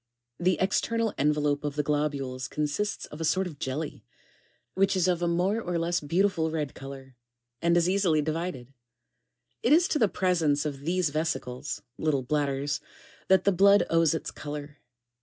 The external envelope of the globules consists of a 3 sort of jelly, which is of a more or less beautiful red colour, and is easily divided : it is to the presence of these vesicles, (little bladders,) that the blood owes its colour.